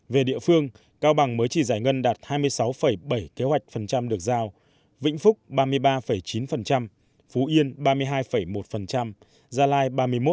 về địa phương cao bằng mới chỉ giải ngân đạt hai mươi sáu bảy kế hoạch phần trăm được giao vĩnh phúc ba mươi ba chín phú yên ba mươi hai một gia lai ba mươi một sáu